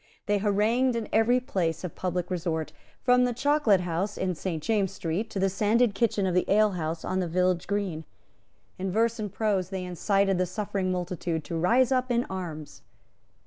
They harangued in every place of public resort, from the Chocolate House in Saint James's Street to the sanded kitchen of the alehouse on the village green. In verse and prose they incited the suffering multitude to rise up in arms.